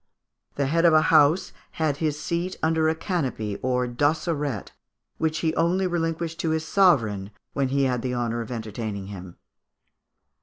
The head of a house had his seat under a canopy or dosseret (Fig. 396), which he only relinquished to his sovereign, when he had the honour of entertaining him.